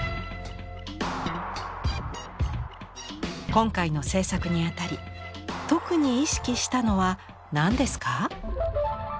今回の制作にあたり特に意識したのは何ですか？